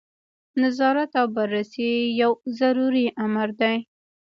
نظارت او بررسي یو ضروري امر دی.